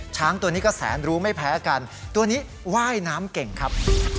ช้างตัวนี้ก็แสนรู้ไม่แพ้กันตัวนี้ว่ายน้ำเก่งครับ